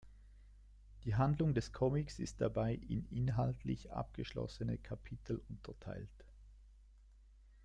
Die Handlung des Comics ist dabei in inhaltlich abgeschlossene Kapitel unterteilt.